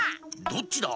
どっちだ？